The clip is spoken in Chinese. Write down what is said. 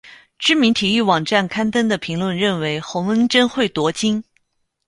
知名体育网站刊登的评论认为洪恩贞会夺金。